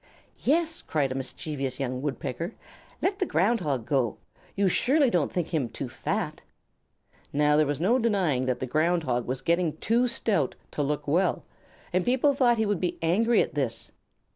"Yes," cried a mischievous young Woodpecker; "let the Ground Hog go. You surely don't think him too fat?" Now there was no denying that the Ground Hog was getting too stout to look well, and people thought he would be angry at this.